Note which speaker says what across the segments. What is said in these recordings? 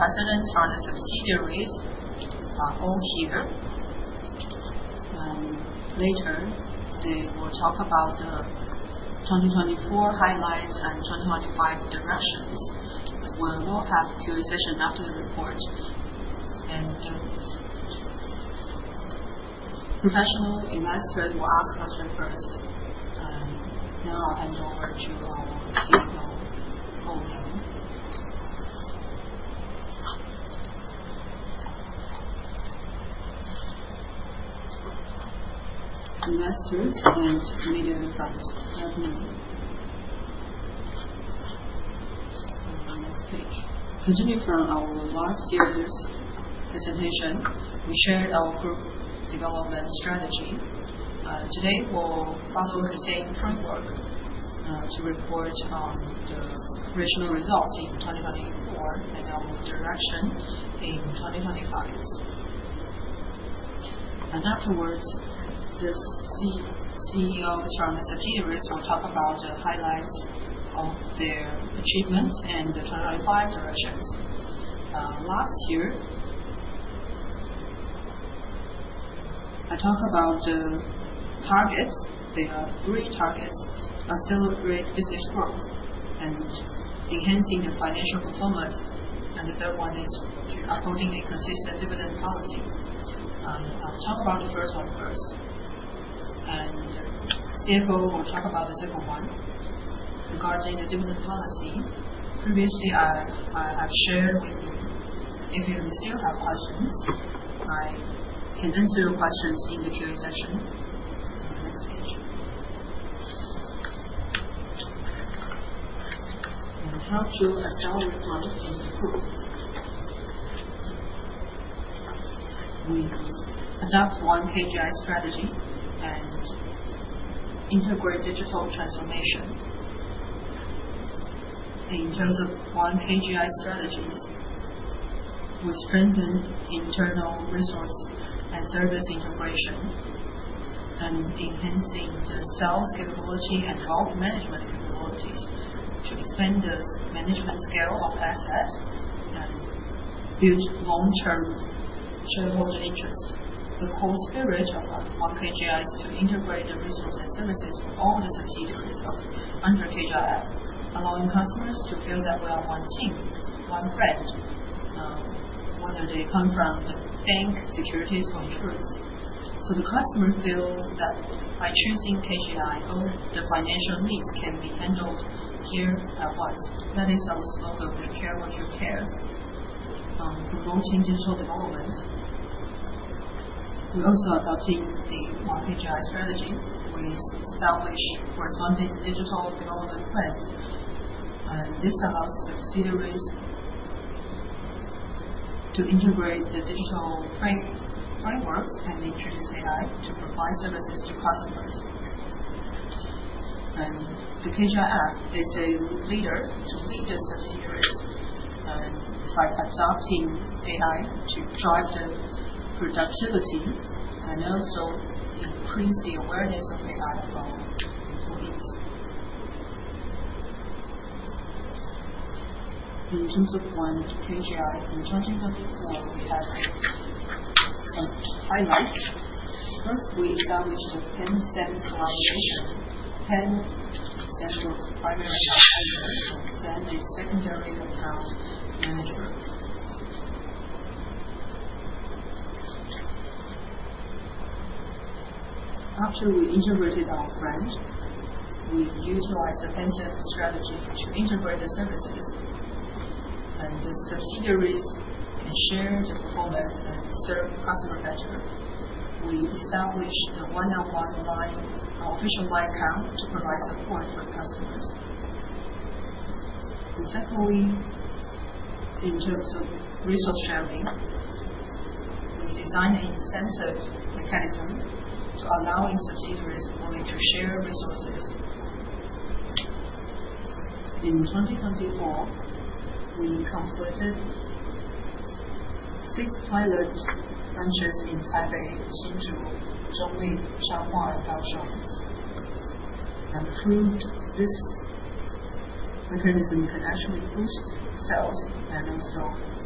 Speaker 1: Presidents from the subsidiaries are all here. Later, they will talk about the 2024 highlights and 2025 directions. We will have a Q&A session after the report, and professional investors will ask questions first. I know that you all want to know the whole thing. Investors and media friends have known. Next page. Continue from our last serious presentation, we shared our group development strategy. Today, we'll follow the same framework to report on the original results in 2024 and our direction in 2025. Afterwards, the CEOs from the subsidiaries will talk about the highlights of their achievements and the 2025 directions. Last year, I talked about the targets. There are three targets: accelerate business growth and enhancing the financial performance, and the third one is upholding a consistent dividend policy. I'll talk about the first one first. CFO will talk about the second one regarding the dividend policy. Previously, I've shared with you. If you still have questions, I can answer your questions in the Q&A session. Next page. Help you establish product in the group. We adopt One KGI strategy and integrate digital transformation. In terms of One KGI strategies, we strengthen internal resource and service integration and enhancing the sales capability and wealth management capabilities to expand the management scale of assets and build long-term shareholder interest. The core spirit of One KGI is to integrate the resource and services of all the subsidiaries under KGI, allowing customers to feel that we are one team, one brand, whether they come from KGI Bank, KGI Securities, or KGI Life. The customer feels that by choosing KGI, all the financial needs can be handled here at once. That is our slogan, "We care what you care." Promoting digital development, we're also adopting the One KGI strategy. We establish corresponding digital development plans. This allows subsidiaries to integrate the digital frameworks and introduce AI to provide services to customers. The KGI app is a leader to lead the subsidiaries by adopting AI to drive the productivity, and also increase the awareness of AI for employees. In terms of One KGI in 2024, we have some highlights. First, we established the 10/7 collaboration. 10 central primary account managers and seven secondary account managers. After we integrated our brand, we utilized the 10/7 strategy to integrate the services and the subsidiaries, and share the performance and serve the customer better. We established the 101 online official LINE account to provide support for customers. Secondly, in terms of resource sharing, we designed an incentive mechanism to allow subsidiaries only to share resources. In 2024, we completed six pilot branches in Taipei, Hsinchu, Zhongli, Taoyuan, Kaohsiung, and proved this mechanism can actually boost sales and also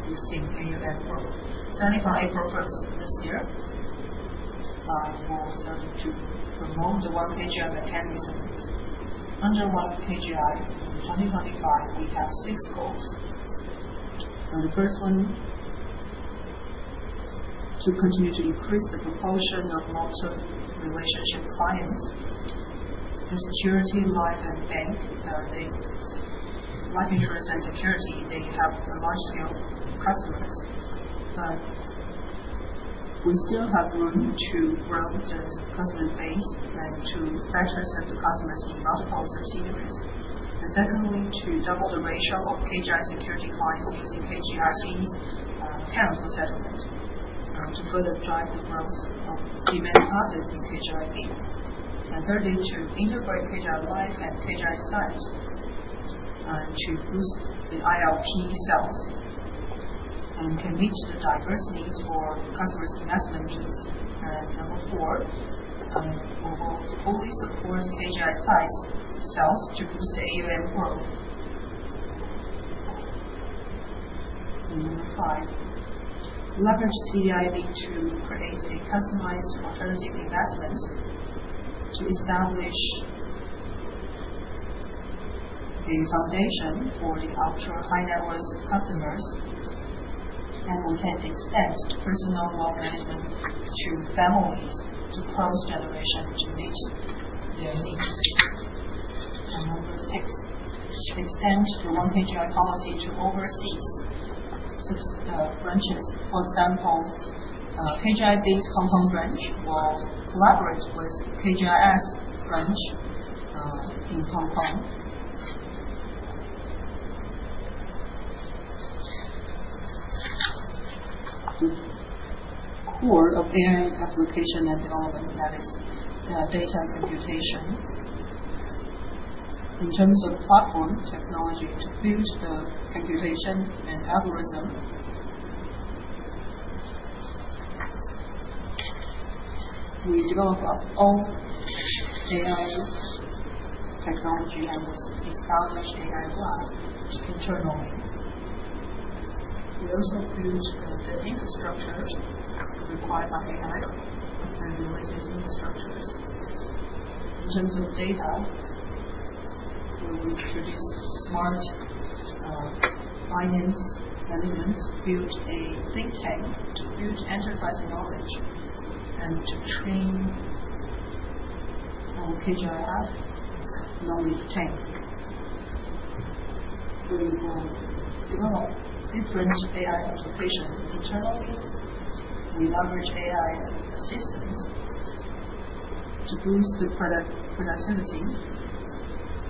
Speaker 1: boost KGI growth. Starting from April 1st this year, we're starting to promote the One KGI mechanism. Under One KGI in 2025, we have six goals. The first one, to continue to increase the proportion of multi-relationship clients. KGI Securities, KGI Life, and KGI Securities, they have large-scale customers, but we still have room to grow the customer base and to better serve the customers in multiple subsidiaries. Secondly, to double the ratio of KGI Securities clients using KGI scenes or channels settlement to further drive the growth of C-money deposits in KGI Bank. Thirdly, to integrate KGI Life and KGI SITE to boost the ILP sales. We can reach the diverse needs for customers' investment needs. Number four, we will fully support KGI SITE and sales to boost the AUM growth. Number five, leverage CDIB to create a customized alternative investment to establish a foundation for the ultra-high net worth customers. We can extend personal wealth management to families, to cross-generation to meet their needs. Number six, extend the One KGI policy to overseas branches. For example, KGI Bank Hong Kong branch will collaborate with KGIS branch in Hong Kong. The core of AI application development, that is data computation. In terms of platform technology to boost the computation and algorithm, we develop our own AI technology and we established AI lab internally. We also boost the data structures required by AI and utilization structures. In terms of data, we will introduce smart finance elements to build a think tank, to build enterprise knowledge, and to train our KGIS knowledge tank. We will develop different AI applications internally. We leverage AI assistants to boost the product productivity.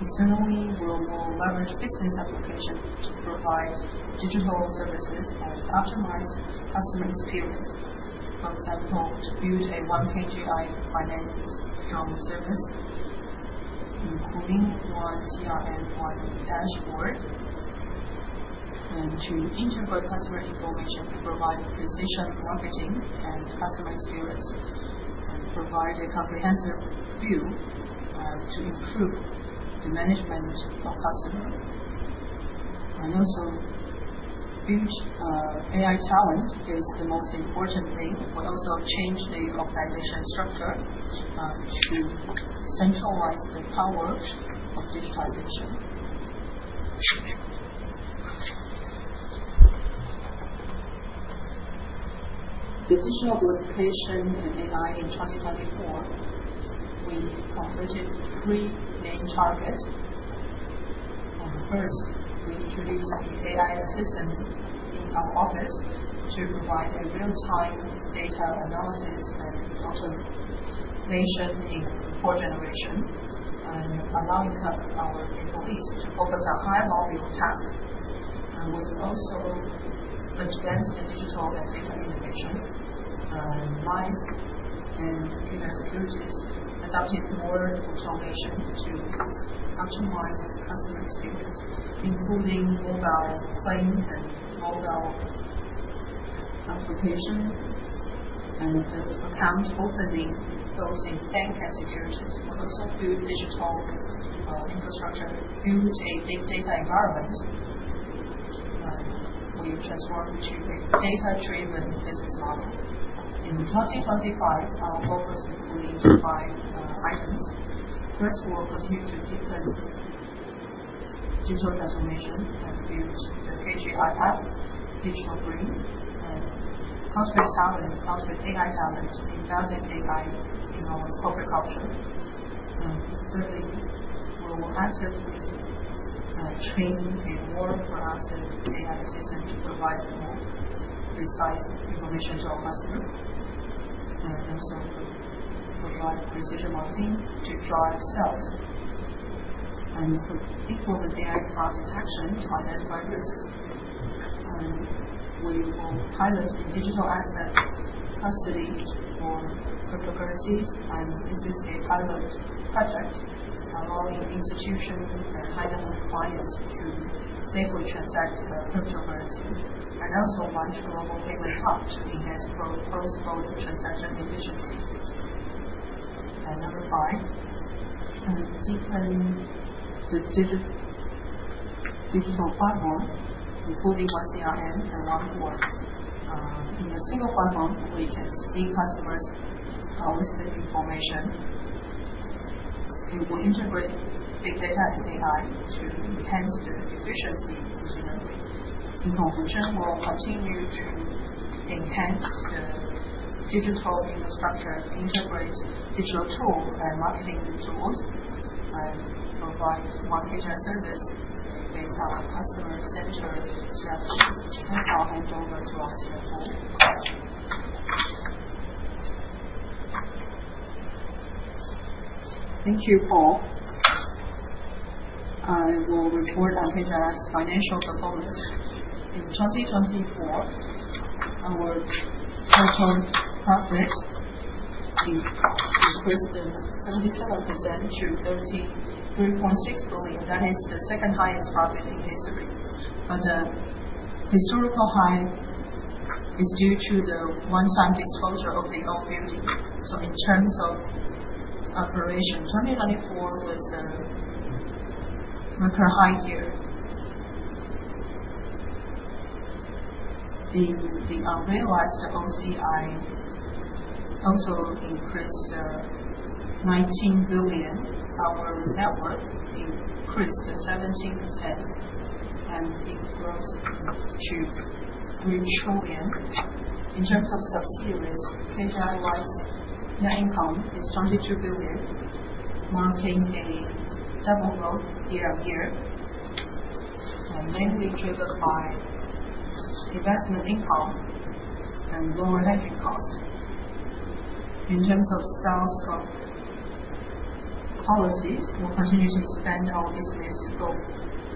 Speaker 1: Internally, we will leverage business application to provide digital services and optimize customer experience. For example, to build a One KGI finance home service, including one CRM dashboard, to integrate customer information to provide precision marketing and customer experience, and provide a comprehensive view to improve the management of customers. Also build AI talent is the most important thing, but also change the organization structure to centralize the power of digitization. The digital application and AI in 2024, we completed three main targets. First, we introduced the AI assistant in our office to provide real-time data analysis and automation in report generation, allowing our employees to focus on higher-value tasks. We've also advanced the digital banking innovation. Life and securities adopted more automation to customize customer experience, including mobile claim and mobile application and account opening both in bank and securities. We also built digital infrastructure to build a big data environment. We transformed to a data-driven business model. In 2025, our focus including five items. First, we'll continue to deepen digital transformation and build the KGI Hub digital brain and constantly summon AI talent, embed AI in our corporate culture. Thirdly, we will actively train a more proactive AI assistant to provide more precise information to our customer, and also provide precision marketing to drive sales and improve AI fraud detection to identify risks.
Speaker 2: We will pilot digital asset custody for cryptocurrencies. This is a pilot project allowing institutions and high-net-worth clients to safely transact cryptocurrency, also launch a local payment hub to enhance cross-border transaction efficiency. Number five, deepen the digital platform, including one CRM and one core. In a single platform, we can see customers' holistic information. It will integrate big data and AI to enhance the efficiency internally. In conclusion, we'll continue to enhance the digital infrastructure, integrate digital tool and marketing tools, and provide market and service based on customer-centric strategy to enhance our end-to-end customer value. Thank you, Paul. I will report on KGI's financial performance. In 2024, our Hong Kong profit increased 37% to HKD 33.6 billion. That is the second-highest profit in history. The historical high is due to the one-time disclosure of the old building.
Speaker 1: In terms of operation, 2024 was a record high year. The unrealized OCI also increased to NTD 19 billion. Our reserve increased 17% and increased to NTD 3 trillion. In terms of subsidiaries, KGI net income is NTD 22 billion, marking a double growth year-over-year, mainly driven by investment income and lower hedging costs. In terms of sales of policies, we'll continue to expand our business scope.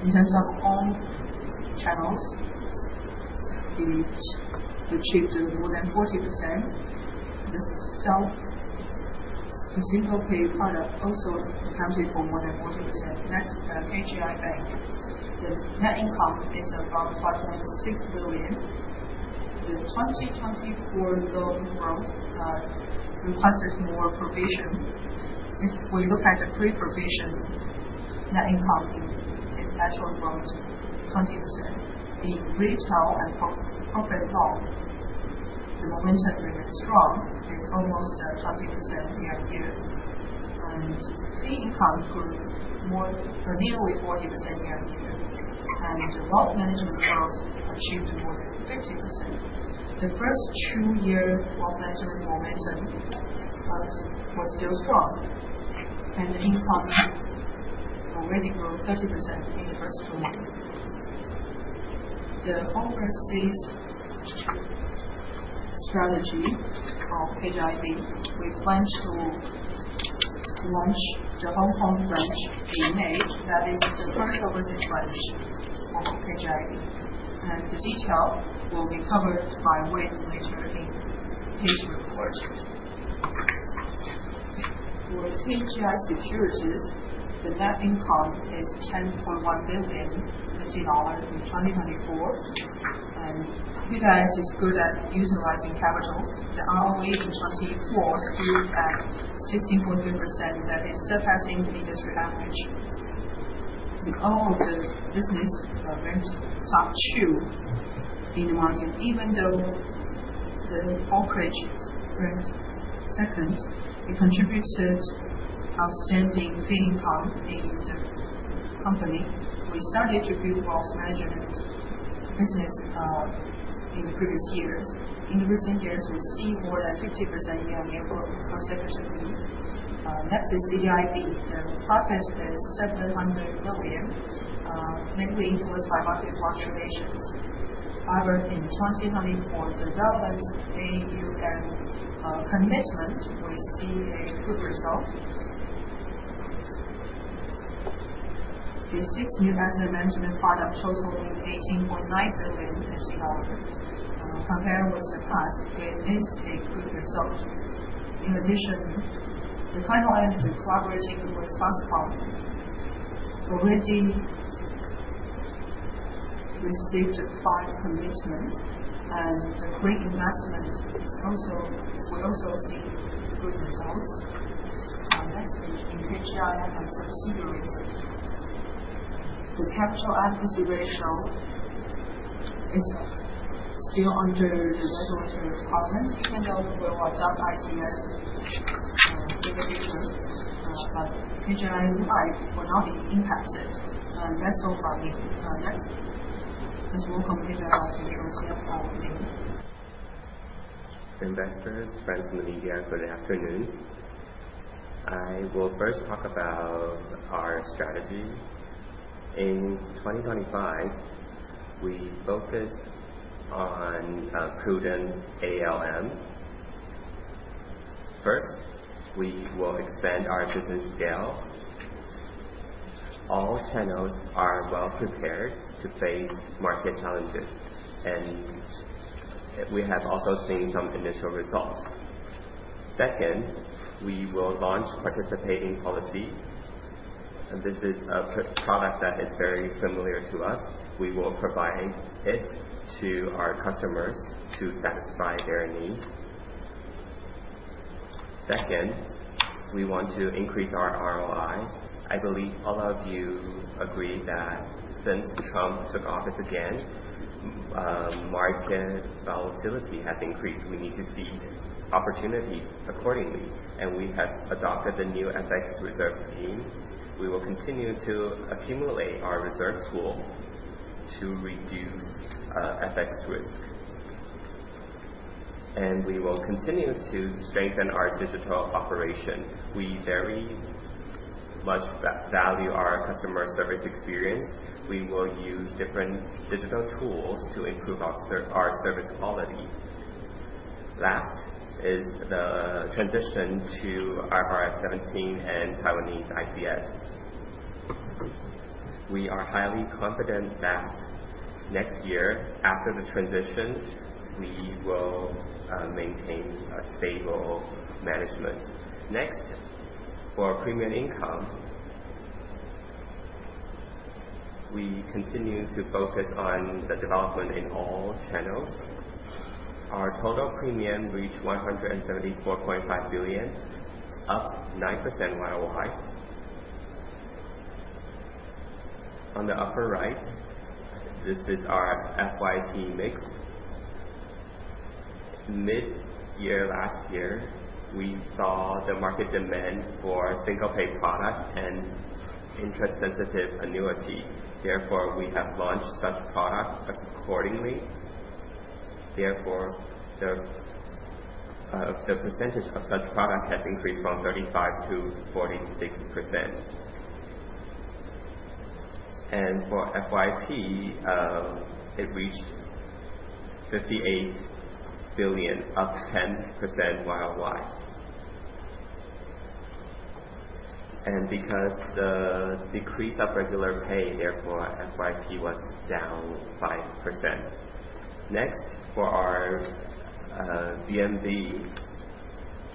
Speaker 1: In terms of all channels, it achieved more than 40%. The consumer pay product also accounted for more than 40%. Next, KGI Bank. The net income is about NTD 5.6 billion. The 2024 growth requested more provision. If we look at pre-provision, net income it actually grows 20%. The retail and corporate loan, the momentum rate is strong. It's almost 20% year-on-year, fee income grew more than nearly 40% year-on-year. Wealth management growth achieved more than 50%. The first two year of asset momentum was still strong, income already grew 30% in the first two months. The whole process strategy of KGI Bank, we plan to launch the Hong Kong branch in May. That is the first overseas branch of KGI Bank, the detail will be covered by Wayne later in his report. For KGI Securities, the net income is NTD 10.1 billion in 2024, KGI is good at utilizing capital. The ROE in 2024 stood at 16.3%, that is surpassing the industry average. In all of the business segments, top two in the market, even though the brokerage ranked second, it contributed outstanding fee income in the company. We started to build wealth management business in the previous years. In recent years, we see more than 50% year-on-year growth consistently. Next is CDIB. The profit is NTD 700 million, mainly influenced by market fluctuations. However, in 2024, the development in new commitment, we see a good result. The six new asset management product totaling HKD 18.9 billion. Compared with last year, it is a good result. In addition, the pipeline is collaborating with SoftBank. Already received five commitments and pre-investment we also see good results. Next page. In KGI and subsidiaries, the capital adequacy ratio is still under the regulatory requirements, even though we've done ICS division, KGI Life will not be impacted. That's all for me. Thanks. There's more complete information, you will see it all later.
Speaker 2: Investors, friends in the media, good afternoon. I will first talk about our strategy. In 2025, we focus on prudent ALM. First, we will expand our business scale. All channels are well prepared to face market challenges, we have also seen some initial results. Second, we will launch participating policy. This is a product that is very similar to us. We will provide it to our customers to satisfy their needs. Second, we want to increase our ROI. I believe all of you agree that since Trump took office again, market volatility has increased. We need to seize opportunities accordingly, we have adopted the new FX reserves scheme. We will continue to accumulate our reserve tool to reduce FX risk, we will continue to strengthen our digital operation. We very much value our customer service experience. We will use different digital tools to improve our service quality. Last is the transition to IFRS 17 and Taiwanese ICS. We are highly confident that Next year, after the transition, we will maintain a stable management. For premium income, we continue to focus on the development in all channels. Our total premium reached NTD 174.5 billion, up 9% year-over-year. On the upper right, this is our FYP mix. Mid-year last year, we saw the market demand for single-pay product and interest-sensitive annuity. Therefore, we have launched such products accordingly. Therefore, the percentage of such product has increased from 35% to 46%. For FYP, it reached NTD 58 billion, up 10% year-over-year. Because the decrease of regular pay, therefore FYP was down 5%. For our VNB,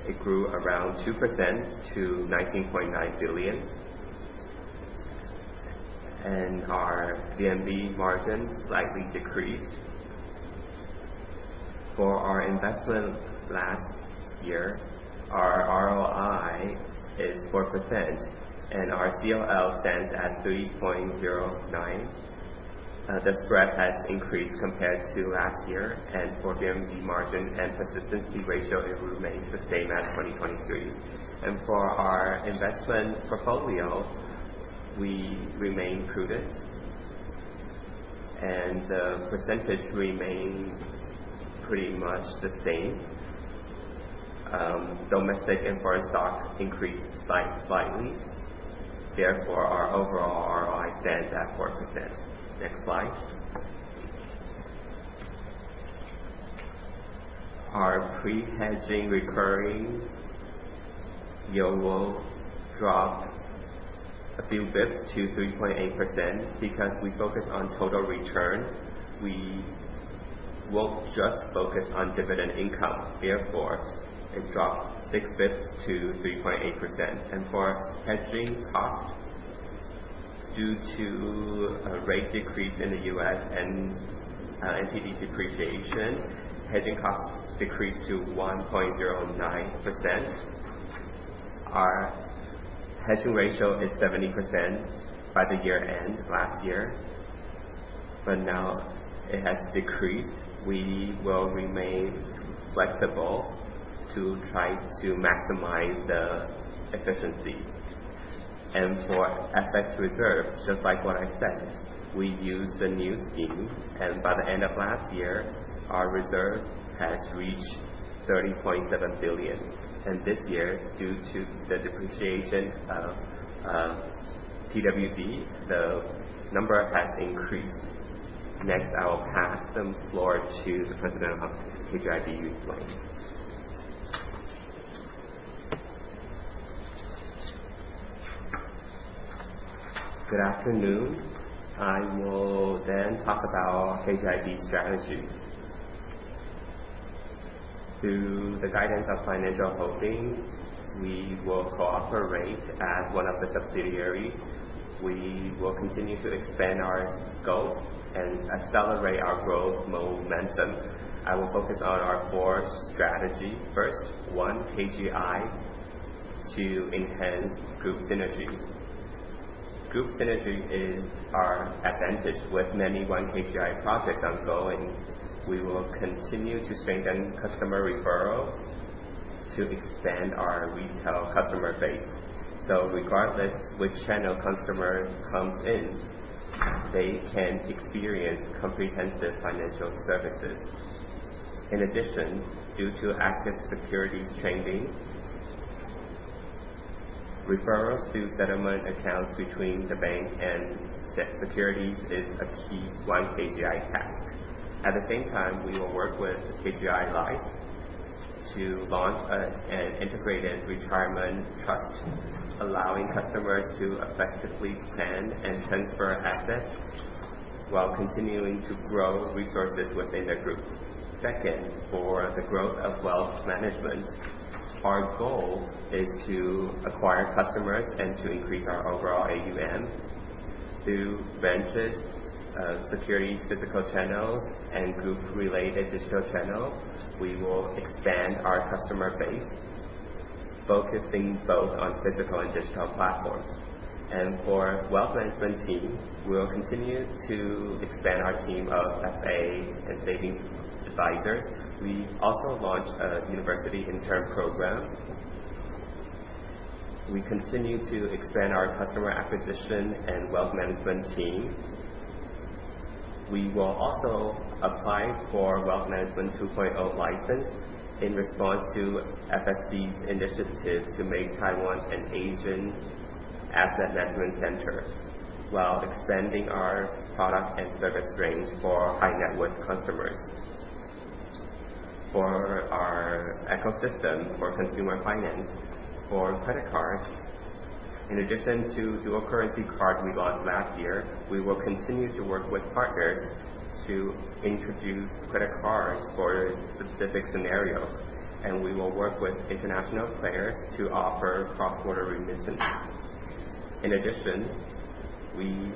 Speaker 2: it grew around 2% to NTD 19.9 billion. Our VNB margin slightly decreased. For our investment last year, our ROI is 4% and our CLL stands at 3.09%. The spread has increased compared to last year. For VNB margin and persistency ratio, it remains the same as 2023. For our investment portfolio, we remain prudent, and the percentage remains pretty much the same. Domestic and foreign stock increased slightly. Therefore, our overall ROI stands at 4%. Next slide. Our pre-hedging recurring yield will drop a few basis points to 3.8%. Because we focus on total return, we will not just focus on dividend income, therefore it dropped six basis points to 3.8%. For hedging cost, due to a rate decrease in the U.S. and NTD depreciation, hedging costs decreased to 1.09%. Our hedging ratio hit 70% by the year-end last year, but now it has decreased. We will remain flexible to try to maximize the efficiency. For FX reserve, just like what I said, we use the new scheme, and by the end of last year, our reserve has reached NTD 30.7 billion. This year, due to the depreciation of NTD, the number has increased. Next, I will pass the floor to the President of KGI Bank, Yu-Ling. Good afternoon. I will talk about KGI Bank strategy. Through the guidance of KGI Financial Holding, we will cooperate as one of the subsidiaries. We will continue to expand our scope and accelerate our growth momentum. I will focus on our four strategies. First, One KGI to enhance group synergy. Group synergy is our advantage with many One KGI projects ongoing. We will continue to strengthen customer referral to expand our retail customer base. Regardless which channel customer comes in, they can experience comprehensive financial services.
Speaker 3: In addition, due to active securities changing, referrals through settlement accounts between KGI Bank and KGI Securities is a key One KGI path. At the same time, we will work with KGI Life to launch an integrated retirement trust, allowing customers to effectively plan and transfer assets while continuing to grow resources within their group. Second, for the growth of wealth management, our goal is to acquire customers and to increase our overall AUM through KGI Securities channels and group-related digital channels. We will expand our customer base, focusing both on physical and digital platforms. For wealth management team, we will continue to expand our team of FA and saving advisors. We also launched a university intern program. We continue to expand our customer acquisition and wealth management team.
Speaker 2: We will also apply for Wealth Management 2.0 license in response to FSC's initiative to make Taiwan an Asian asset management center, while expanding our product and service range for our high-net-worth customers. For our ecosystem for consumer finance, for credit cards, in addition to dual currency cards we launched last year, we will continue to work with partners to introduce credit cards for specific scenarios. We will work with international players to offer cross-border remittances. In addition, we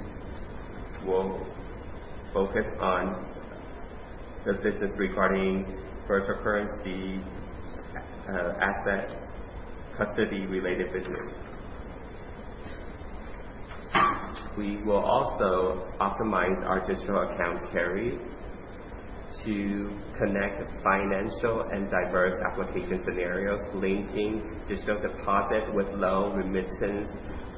Speaker 2: will focus on the business regarding virtual currency asset custody-related business. We will also optimize our digital account carry to connect financial and diverse application scenarios, linking digital deposit with loan remittance,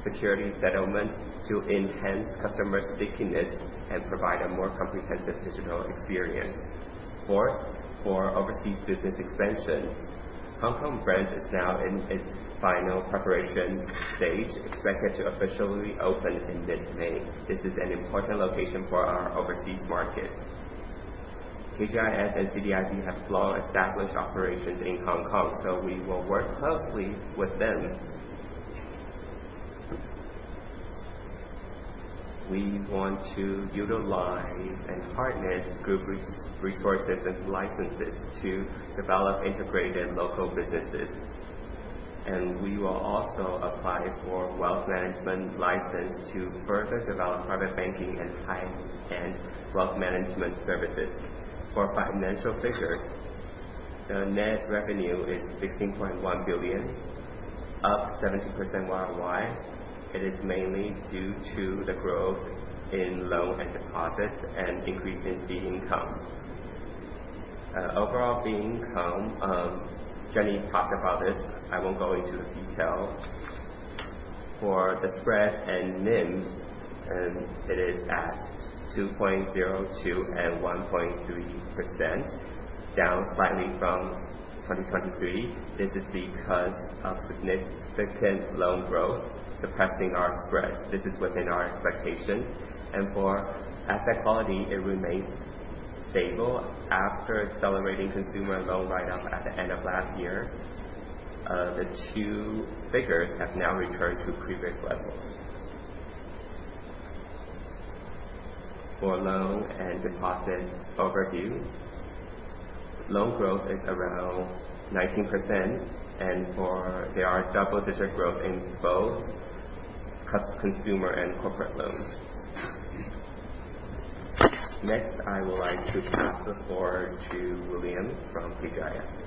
Speaker 2: security settlement to enhance customer stickiness and provide a more comprehensive digital experience. Fourth, for overseas business expansion, Hong Kong branch is now in its final preparation stage, expected to officially open in mid-May. This is an important location for our overseas market. KGIS and KDIP have long established operations in Hong Kong, so we will work closely with them. We want to utilize and partner group resources and licenses to develop integrated local businesses. We will also apply for wealth management license to further develop private banking and high-end wealth management services. For financial figures, the net revenue is 16.1 billion, up 17% year-over-year. It is mainly due to the growth in loan and deposits and increase in fee income. Overall fee income, Jenny talked about this, I won't go into the detail. For the spread and NIM, it is at 2.02% and 1.3%, down slightly from 2023. This is because of significant loan growth suppressing our spread. This is within our expectation. For asset quality, it remains stable after accelerating consumer loan write-off at the end of last year. The two figures have now returned to previous levels. For loan and deposit overview, loan growth is around 19%, and there are double-digit growth in both consumer and corporate loans. Next, I would like to pass the floor to William from KGIS.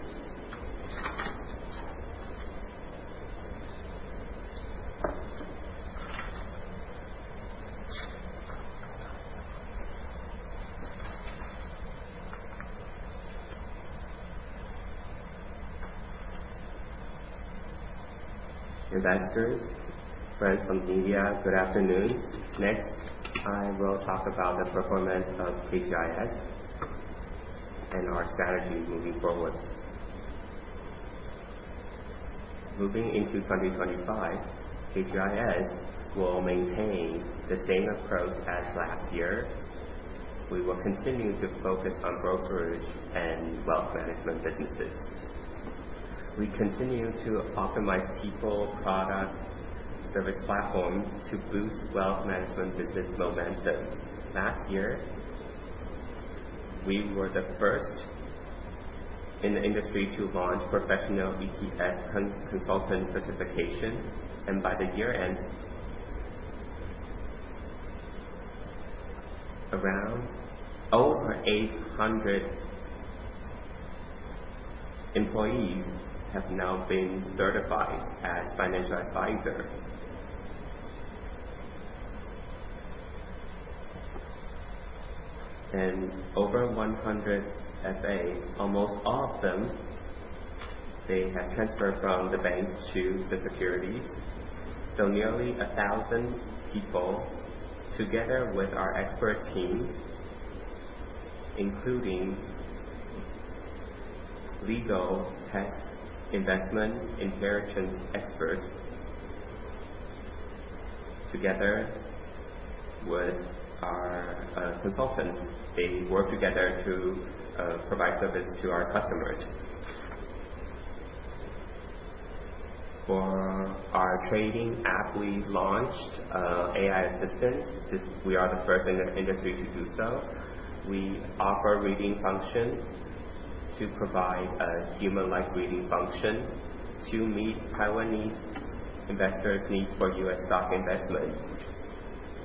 Speaker 2: Investors, friends from the media, good afternoon. Next, I will talk about the performance of KGIS, and our strategy moving forward. Moving into 2025, KGIS will maintain the same approach as last year. We will continue to focus on brokerage and wealth management businesses. We continue to optimize people, product, service platform to boost wealth management business momentum. Last year, we were the first in the industry to launch professional ETF consultant certification, and by the year-end, over 800 employees have now been certified as financial advisor.
Speaker 4: Over 100 FA, almost all of them, they have transferred from the bank to the securities. Nearly 1,000 people together with our expert teams, including legal, tax, investment, inheritance experts, together with our consultants, they work together to provide service to our customers. For our trading app, we launched AI assistance. We are the first in the industry to do so. We offer reading function to provide a human-like reading function to meet Taiwanese investors' needs for U.S. stock investment.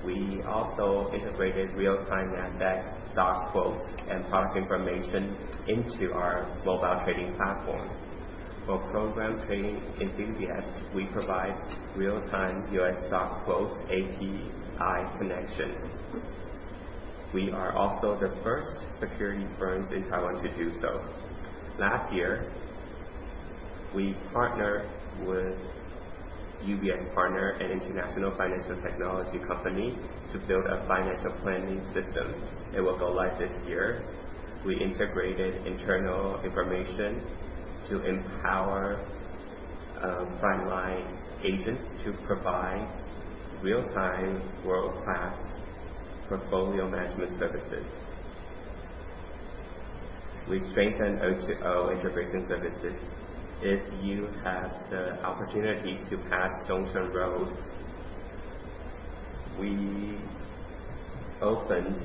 Speaker 4: We also integrated real-time Nasdaq stocks quotes and product information into our mobile trading platform. For program trading enthusiasts, we provide real-time U.S. stock quote API connections. We are also the first securities firms in Taiwan to do so. Last year, we partnered with Ubien Partner, an international financial technology company, to build a financial planning system. It will go live this year.
Speaker 2: We integrated internal information to empower our frontline agents to provide real-time, world-class portfolio management services. We've strengthened O2O integration services. If you have the opportunity to pass Zhongshan Road, we opened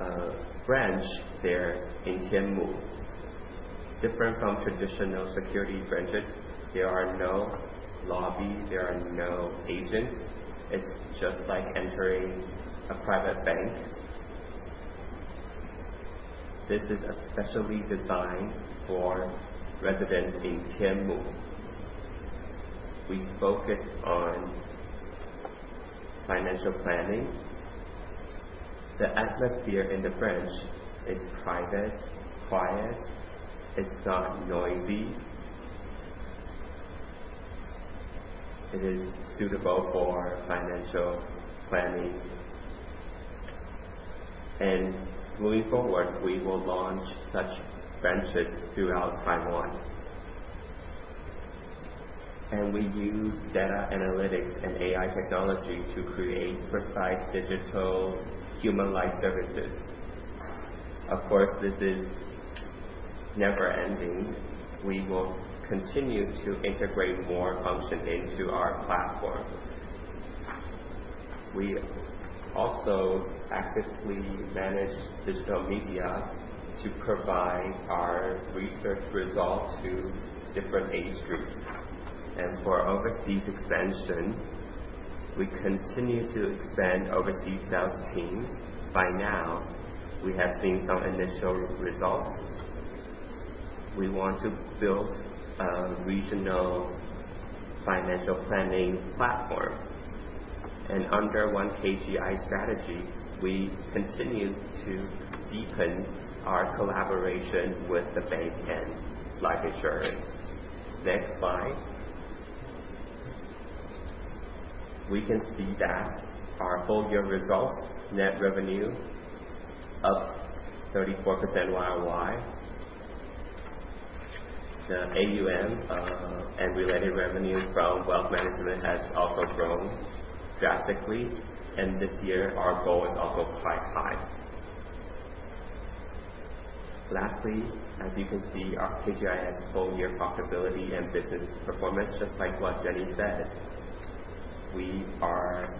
Speaker 2: a branch there in Tianmu. Different from traditional security branches, there are no lobbies, there are no agents. It's just like entering a private bank. This is especially designed for residents in Tianmu. We focus on financial planning. The atmosphere in the branch is private, quiet. It's not noisy. It is suitable for financial planning. Moving forward, we will launch such branches throughout Taiwan. We use data analytics and AI technology to create precise digital human-like services. Of course, this is never-ending. We will continue to integrate more function into our platform. We also actively manage digital media to provide our research results to different age groups. For overseas expansion, we continue to expand overseas sales team. By now, we have seen some initial results. We want to build a regional financial planning platform. Under One KGI strategy, we continue to deepen our collaboration with the bank and life insurance. Next slide. We can see that our full-year results, net revenue up 34% year-over-year. The AUM, and related revenue from wealth management has also grown drastically, and this year our goal is also quite high. Lastly, as you can see, our KGI has full-year profitability and business performance, just like what Jenny said. We are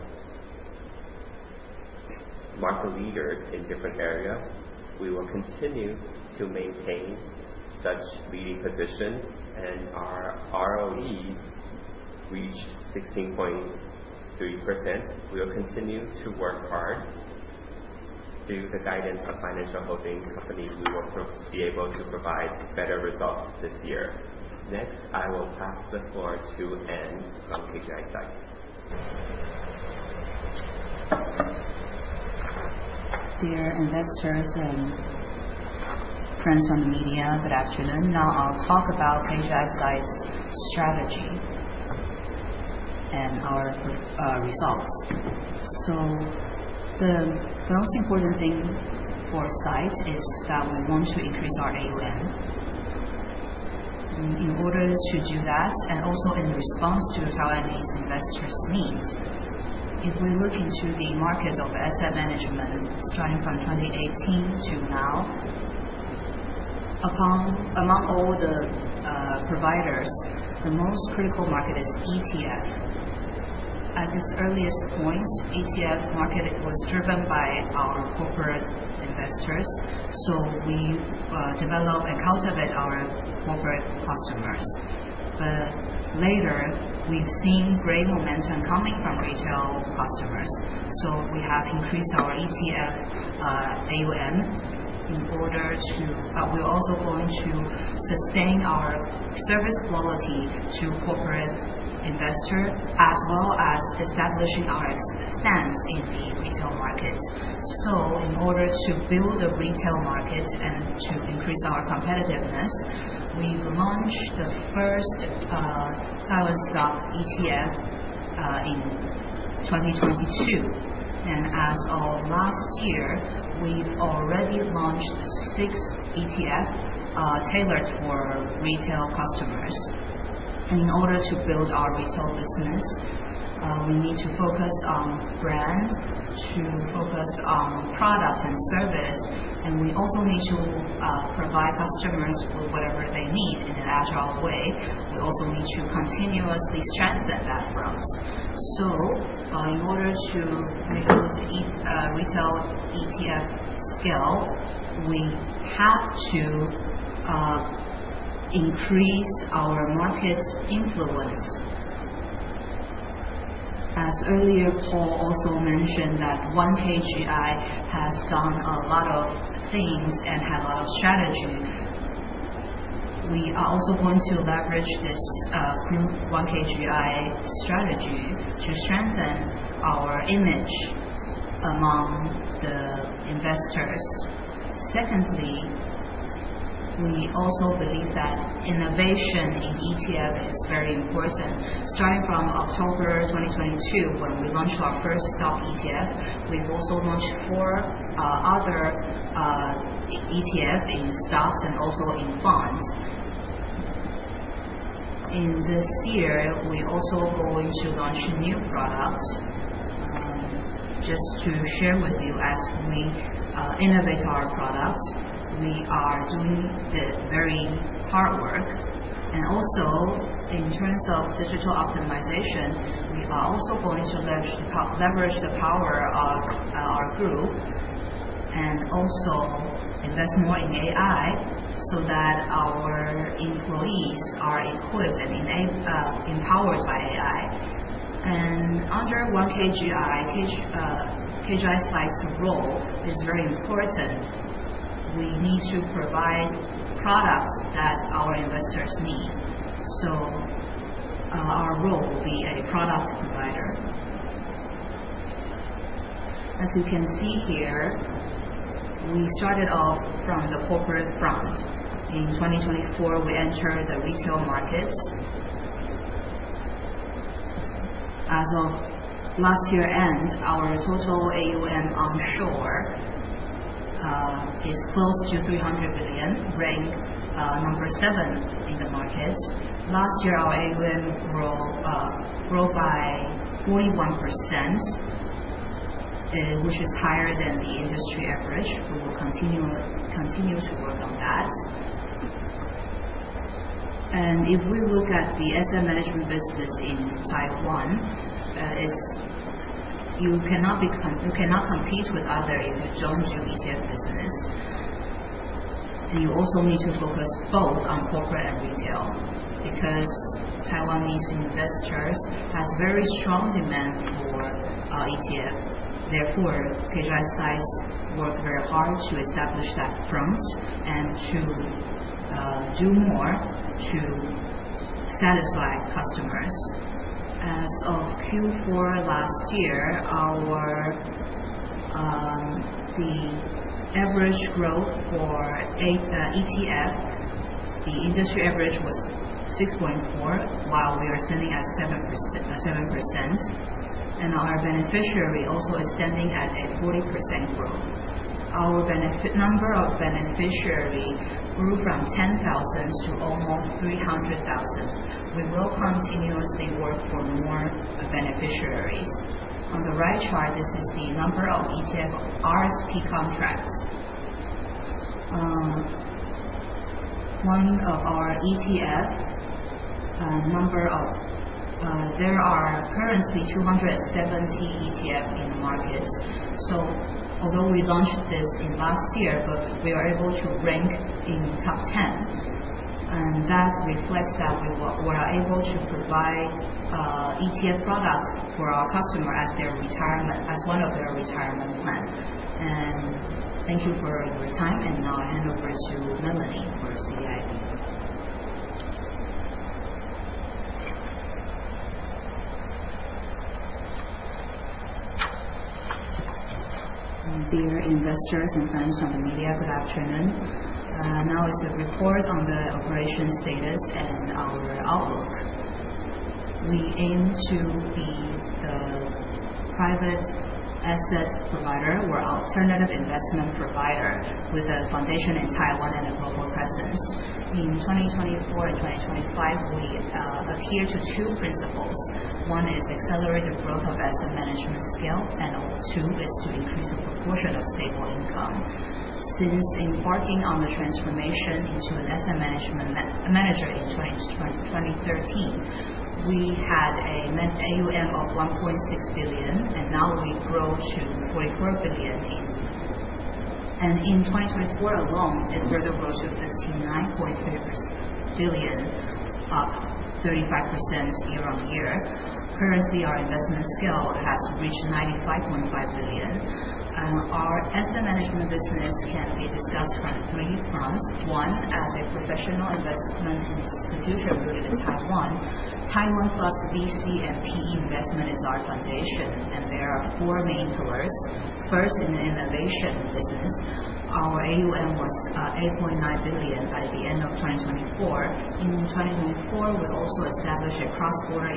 Speaker 2: market leaders in different areas. We will continue to maintain such leading position, and our ROE reached 16.3%. We'll continue to work hard. Through the guidance of financial holding companies, we will be able to provide better results this year. Next, I will pass the floor to Ann from KGI SITE.
Speaker 5: Dear investors and friends from the media, good afternoon. Now I'll talk about KGI SITE's strategy and our results. The most important thing for SITE is that we want to increase our AUM. In order to do that, also in response to Taiwanese investors' needs, if we look into the markets of asset management starting from 2018 to now, among all the providers, the most critical market is ETF. At its earliest points, ETF market was driven by our corporate investors, so we develop and cultivate our corporate customers. Later, we've seen great momentum coming from retail customers, so we have increased our ETF AUM in order to We're also going to sustain our service quality to corporate investor, as well as establishing our stance in the retail markets.
Speaker 3: In order to build the retail market and to increase our competitiveness, we launched the first Taiwan stock ETF, in 2022. As of last year, we've already launched six ETF, tailored for retail customers. In order to build our retail business, we need to focus on brand, to focus on product and service, and we also need to provide customers with whatever they need in an agile way. We also need to continuously strengthen that growth. In order to kind of go to retail ETF scale, we have to increase our market influence. As earlier, Paul also mentioned that One KGI has done a lot of things and have a lot of strategies. We are also going to leverage this group One KGI strategy to strengthen our image among the investors. Secondly, we also believe that innovation in ETF is very important. Starting from October 2022, when we launched our first stock ETF, we've also launched four other ETFs in stocks and also in bonds. This year, we're also going to launch new products. Just to share with you, as we innovate our products, we are doing the very hard work, and also in terms of digital optimization, we are also going to leverage the power of our group and also invest more in AI so that our employees are equipped and empowered by AI. Under One KGI Securities' role is very important. We need to provide products that our investors need. Our role will be a product provider. As you can see here, we started off from the corporate front. In 2024, we entered the retail market. As of last year-end, our total AUM onshore is close to NTD 300 billion, ranked number 7 in the market. Last year, our AUM grew by 41%, which is higher than the industry average. We will continue to work on that. If we look at the asset management business in Taiwan, you cannot compete with others if you don't do ETF business. You also need to focus both on corporate and retail, because Taiwanese investors have very strong demand for ETF. Therefore, KGI Securities worked very hard to establish that front and to do more to satisfy customers. As of Q4 last year, the average growth for ETF, the industry average was 6.4%, while we are standing at 7%. Our beneficiary also is standing at a 40% growth. Our number of beneficiaries grew from 10,000 to almost 300,000. We will continuously work for more beneficiaries. On the right chart, this is the number of ETF RSP contracts.
Speaker 6: One of our ETFs, there are currently 270 ETFs in the market. Although we launched this last year, we are able to rank in the top 10, and that reflects that we were able to provide ETF products for our customers as one of their retirement plans. Thank you for your time. Now I'll hand over to Melanie for CDIB. Dear investors and friends from the media, good afternoon. Now is the report on the operation status and our outlook. We aim to be the private asset provider or alternative investment provider with a foundation in Taiwan and a global presence. In 2024 and 2025, we adhere to two principles. One is accelerated growth of asset management scale, and two is to increase the proportion of stable income.
Speaker 3: Since embarking on the transformation into an asset manager in 2013, we had an AUM of NTD 1.6 billion, and now we've grown to NTD 44 billion. In 2024 alone, it further grew to NTD 59.3 billion, up 35% year-on-year. Currently, our investment scale has reached NTD 95.5 billion, and our asset management business can be discussed from three fronts. One, as a professional investment institution rooted in Taiwan. Taiwan plus VC and PE investment is our foundation, and there are four main pillars. First, in the innovation business, our AUM was NTD 8.9 billion by the end of 2024. In 2024, we also established a Cross-Border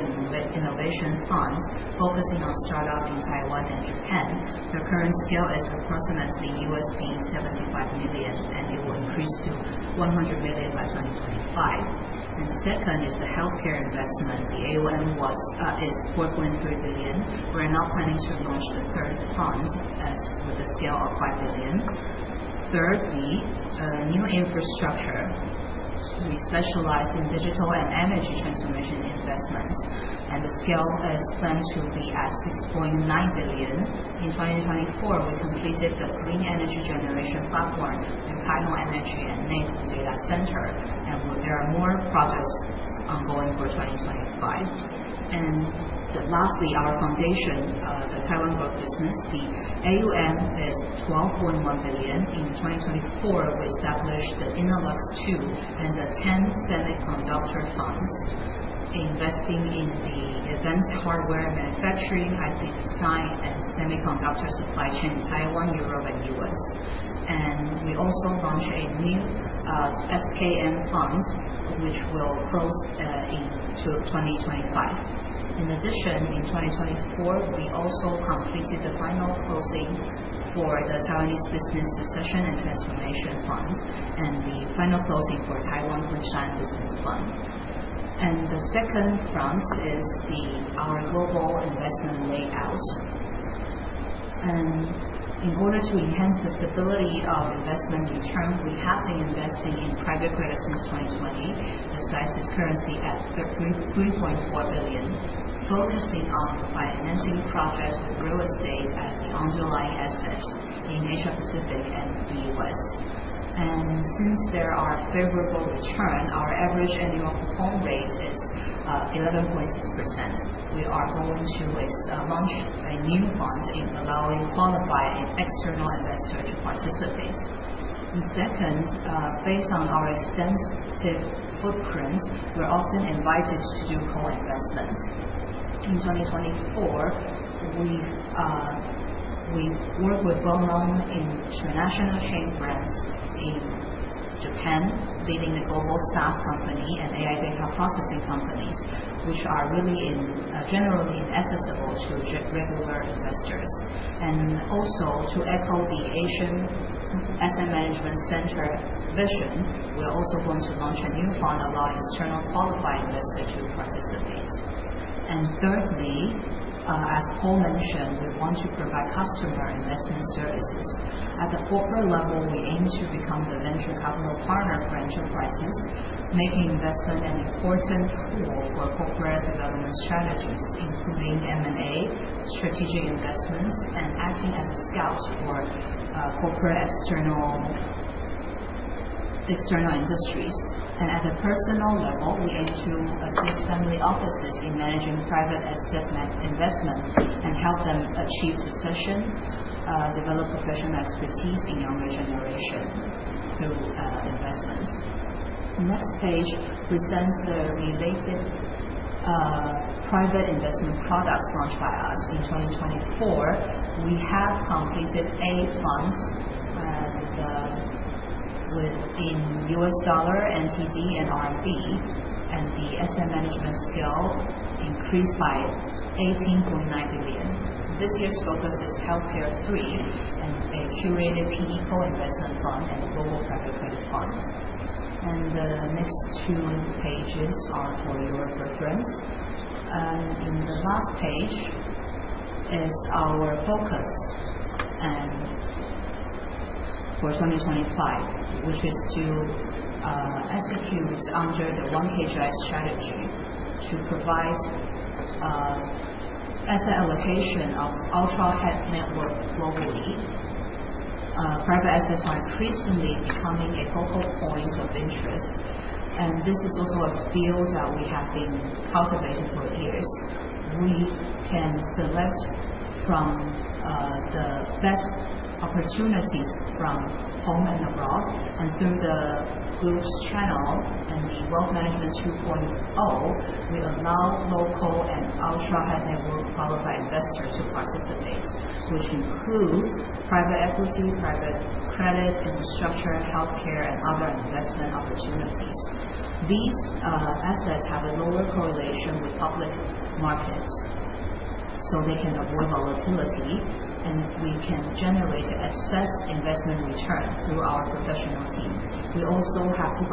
Speaker 3: Innovation Fund focusing on startups in Taiwan and Japan. The current scale is approximately USD 75 million, and it will increase to 100 million by 2025. Second is the healthcare investment. The AUM is NTD 4.3 billion. We're now planning to launch the third fund with a scale of NTD 5 billion. Thirdly, new infrastructure. We specialize in digital and energy transformation investments, and the scale is planned to be at NTD 6.9 billion. In 2024, we completed the clean energy generation platform, the Taiwan Energy and Nantong data center, and there are more projects ongoing for 2025. Lastly, our foundation the Taiwan growth business. The AUM is NTD 12.1 billion. In 2024, we established the Innovus II and the 10 semiconductor funds investing in the advanced hardware manufacturing, IP design, and semiconductor supply chain in Taiwan, Europe, and U.S. We also launched a new FKM fund, which will close in 2025. In addition, in 2024, we also completed the final closing for the Taiwanese Business Succession and Transformation Fund and the final closing for Taiwan Sunshine Business Fund. The second front is our global investment layout. In order to enhance the stability of investment return, we have been investing in private credit since 2020. The size is currently at NTD 33.4 billion, focusing on financing projects with real estate as the underlying assets in Asia Pacific and the U.S. Since there are favorable return, our average annual compound rate is 11.6%. We are going to launch a new fund allowing qualified and external investors to participate. The second, based on our extensive footprint, we're often invited to do co-investments. In 2024, we worked with well-known international chain brands in Japan, leading the global SaaS company and AI data processing companies, which are really generally inaccessible to regular investors. Also to echo the Asian Asset Management Center vision, we're also going to launch a new fund allowing external qualified investors to participate. Thirdly, as Paul mentioned, we want to provide customer investment services. At the corporate level, we aim to become the venture capital partner for enterprises, making investment an important tool for corporate development strategies including M&A, strategic investments, and acting as a scout for corporate external industries. At a personal level, we aim to assist family offices in managing private asset investment and help them achieve succession, develop professional expertise in younger generation through investments. The next page presents the related private investment products launched by us in 2024. We have completed eight funds within US dollar, NTD, and RMB, and the asset management scale increased by NTD 18.9 billion. This year's focus is healthcare 3 and a curated vehicle investment fund and a global private credit fund. The next two pages are for your reference. In the last page is our focus for 2025, which is to execute under the One KGI strategy to provide asset allocation of ultra-high network globally. Private assets are increasingly becoming a focal point of interest, and this is also a field that we have been cultivating for years. We can select from the best opportunities from home and abroad, and through the group's channel and the Wealth Management 2.0, we allow local and ultra-high network qualified investors to participate, which includes private equity, private credit, infrastructure, healthcare, and other investment opportunities. These assets have a lower correlation with public markets, so they can avoid volatility, and we can generate excess investment return through our professional team. We also have deep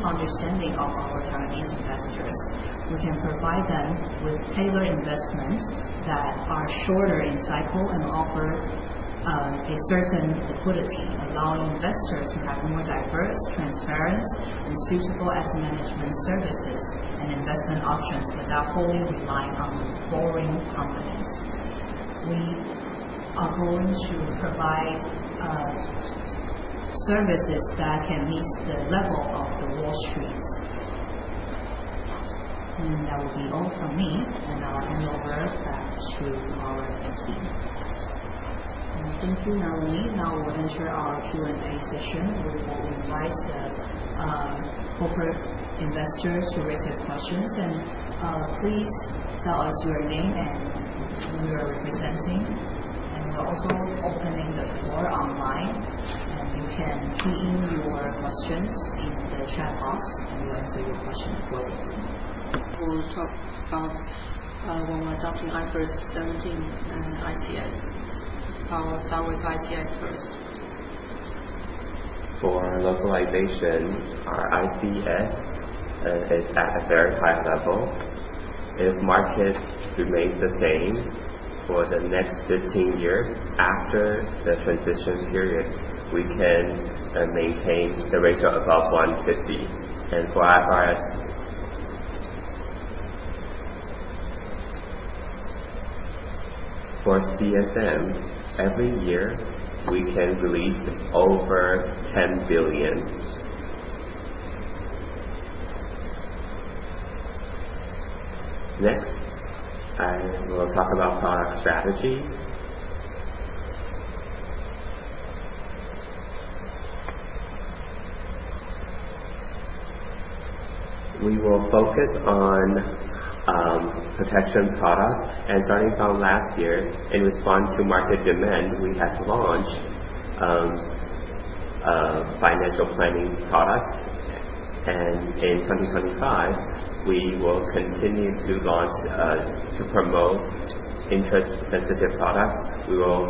Speaker 3: understanding of our Taiwanese investors.
Speaker 1: We can provide them with tailored investments that are shorter in cycle and offer a certain liquidity, allowing investors to have more diverse, transparent, and suitable asset management services and investment options without wholly relying on foreign companies. We are going to provide services that can reach the level of the Wall Street. That will be all from me, and I'll hand over back to our team. Thank you, Melanie. Now we'll enter our Q&A session. We will invite the corporate investors to raise their questions. Please tell us your name and who you are representing. We're also opening the floor online, and you can key in your questions in the chat box and we'll answer your question flowing. We'll talk about when we're adopting IFRS 17 and ICS. How was ICS first?
Speaker 7: For localization, our ICS is at a very high level. If market remains the same for the next 15 years after the transition period, we can maintain the ratio above 150. For IFRS For CSM, every year, we can release over NTD 10 billion. Next, I will talk about product strategy. We will focus on protection products, Starting from last year, in response to market demand, we have launched financial planning products. In 2025, we will continue to launch to promote interest-sensitive products. We will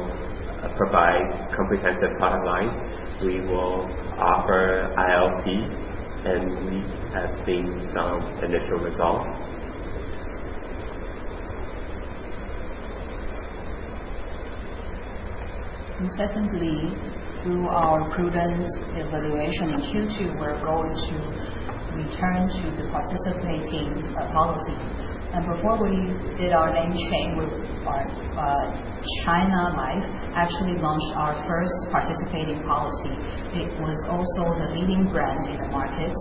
Speaker 7: provide comprehensive product lines. We will offer ILPs, and we have seen some initial results Secondly, through our prudence evaluation in Q2, we're going to return to the participating policy. Before we did our name change with our China Life, actually launched our first participating policy. It was also the leading brand in the market.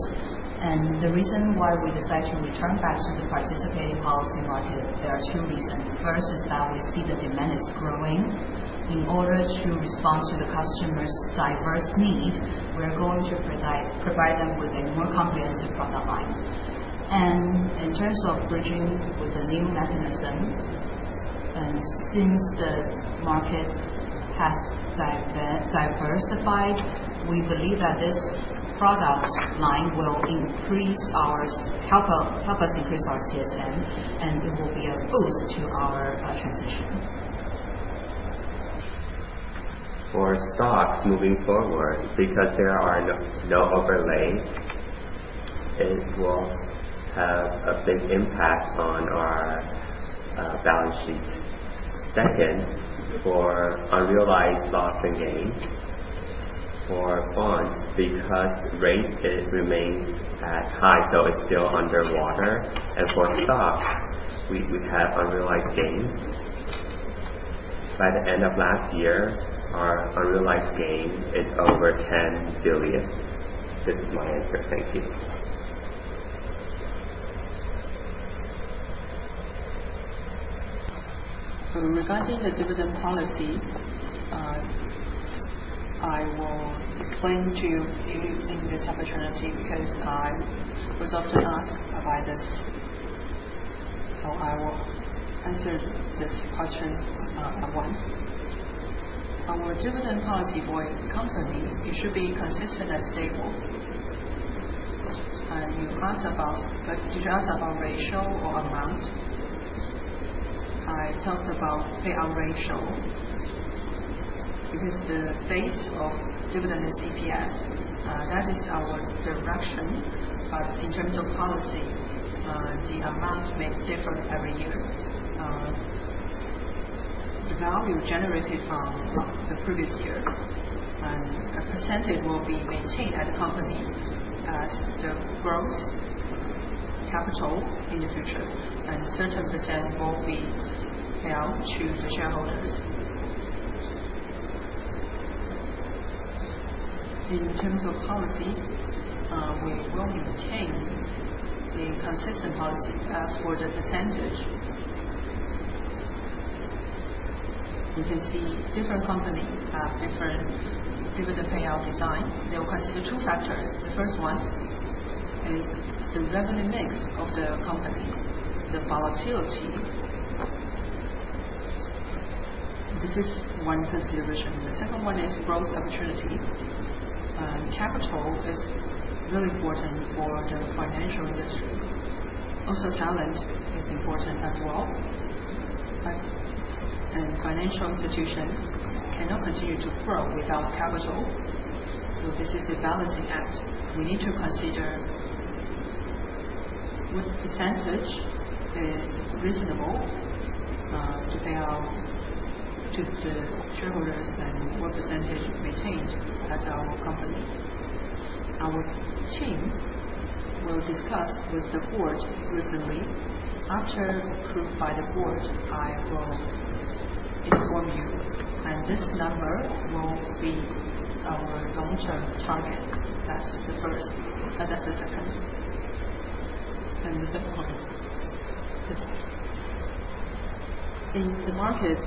Speaker 7: The reason why we decided to return back to the participating policy market, there are two reasons. The first is that we see the demand is growing. In order to respond to the customers' diverse needs, we're going to provide them with a more comprehensive product line. In terms of bridging with the new mechanism, and since the market has diversified, we believe that this product line will help us increase our CSM, and it will be a boost to our transition. For stocks moving forward, because there are no overlays, it won't have a big impact on our balance sheet. Second, for unrealized loss and gain, for bonds, because rates remain that high, so it's still underwater. For stocks, we have unrealized gains. By the end of last year, our unrealized gain is over 10 billion. This is my answer. Thank you.
Speaker 1: Regarding the dividend policy, I will explain to you using this opportunity because I was often asked about this. I will answer these questions at once. Our dividend policy for the company, it should be consistent and stable. You asked about ratio or amount. I talked about payout ratio, because the base of dividend is EPS. That is our direction. In terms of policy, the amount may differ every year. The value generated from the previous year, a percentage will be maintained at the company as the growth capital in the future, a certain % will be paid out to the shareholders. In terms of policy, we will maintain the consistent policy. As for the percentage, you can see different company have different dividend payout design. They will consider two factors. The first one is the revenue mix of the company, the volatility.
Speaker 3: This is one consideration. The second one is growth opportunity. Capital is really important for the financial industry. Also talent is important as well. Right? Financial institution cannot continue to grow without capital. This is a balancing act. We need to consider what % is reasonable to pay out to the shareholders and what % retained at our company. Our team will discuss with the board recently. After approved by the board, I will inform you, this number will be our long-term target. That's the second. The third one is in the market,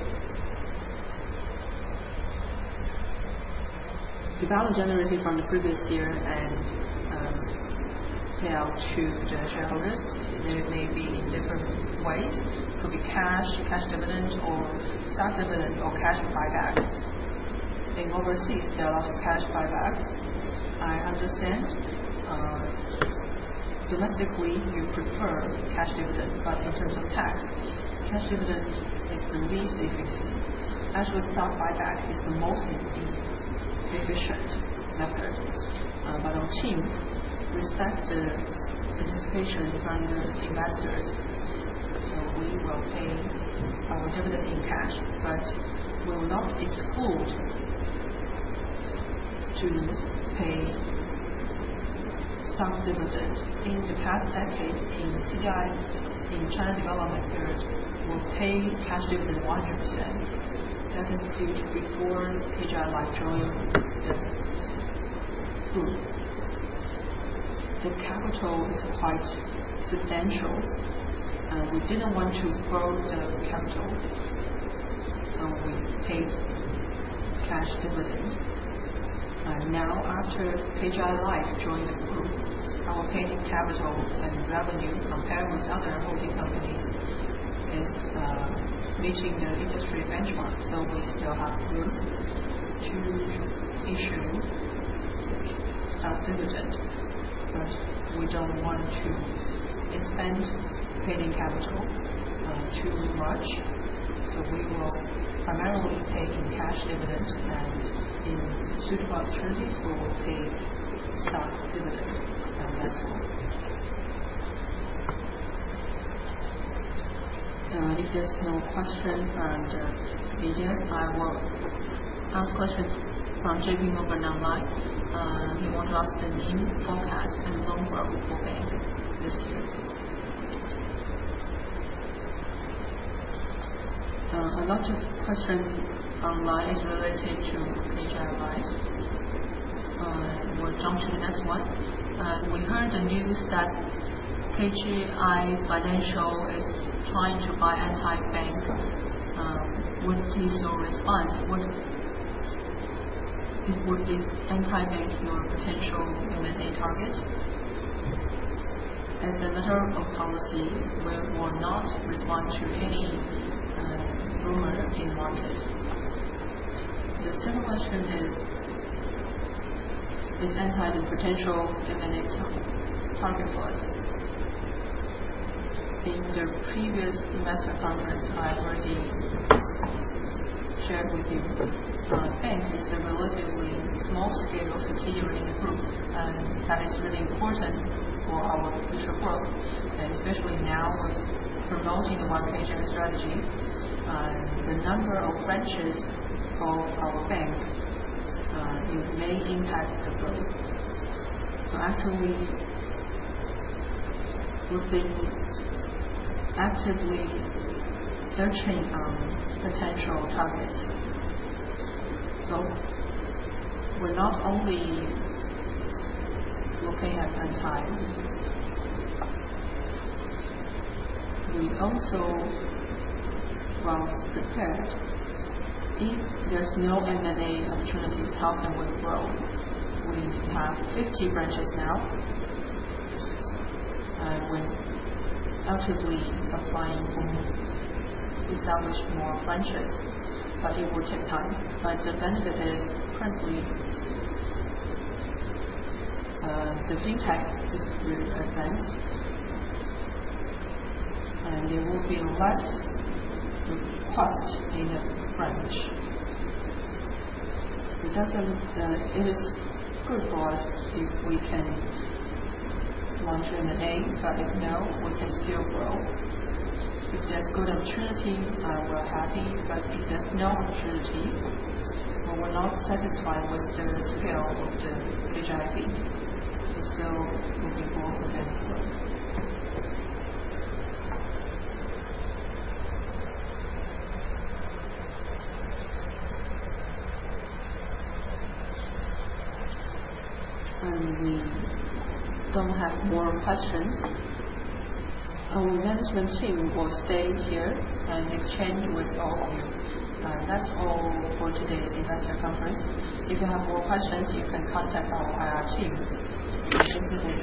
Speaker 3: the value generated from the previous year payout to the shareholders, it may be in different ways. It could be cash dividend, or stock dividend or cash buyback. In overseas, there are cash buyback. I understand. Domestically, you prefer cash dividend, in terms of tax, cash dividend is the least efficient. Actually, stock buyback is the most efficient method. Our team respect the participation from the investors. We will pay our dividends in cash, will not exclude to pay stock dividend. In the past decade in China Development Period, we paid cash dividend 100%. That is before KGI Life joined the group. The capital is quite substantial, we didn't want to grow the capital. We paid cash dividend. Now after KGI Life joined the group, our paid-in capital revenue compared with other holding companies is meeting the industry benchmark. We still have room to issue stock dividend, we don't want to expand paid-in capital too much. We will primarily pay in cash dividend, in suitable opportunities, we will pay stock dividend as well.
Speaker 1: If there's no question from the media, I will ask questions from JP Morgan online. He wants to ask the NIM forecast and loan growth for Bank this year. A lot of questions online is related to KGI Bank. We'll come to the next one. We heard the news that KGI Financial is planning to buy EnTie Commercial Bank. Would please your response, would this EnTie Commercial Bank your potential M&A target? As a matter of policy, we will not respond to any rumor in market. The same question is EnTie Commercial Bank the potential M&A target? In the previous investor conference, I already shared with you. Bank is a relatively small scale subsidiary in the group, and that is really important for our future growth, especially now with promoting One Asia strategy. The number of branches of our Bank, it may impact the growth. Actually, we've been actively searching for potential targets. We're not only looking at EnTie Commercial Bank. We also, while it's prepared, if there's no M&A opportunities, how can we grow? We have 50 branches now. With actively applying to establish more branches, but it will take time. The benefit is currently, the fintech is really advanced, and there will be less cost in a branch. It is good for us if we can launch M&A, if no, we can still grow. If there's good opportunity, we're happy. If there's no opportunity or we're not satisfied with the scale of the KGI Bank, we still will be open anyway. We don't have more questions. Our management team will stay here and exchange with all of you. That's all for today's investor conference. If you have more questions, you can contact our IR teams. Thank you very much.